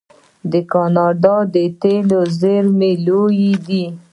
د کاناډا د تیلو زیرمې لویې دي.